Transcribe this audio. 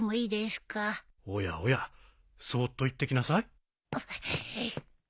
おやおやそーっと行ってきなさい。